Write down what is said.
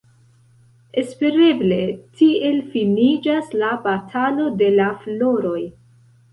Espereble tiel finiĝas la batalo de la floroj.